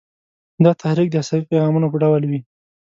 دا تحریک د عصبي پیغامونو په ډول وي.